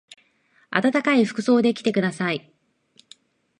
あたたかい服装で来てください。